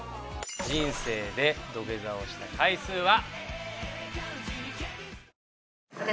人生で土下座をした回数は。